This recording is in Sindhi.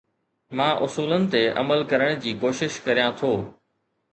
مان اصولن تي عمل ڪرڻ جي ڪوشش ڪريان ٿو